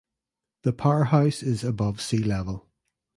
The powerhouse is above sea level.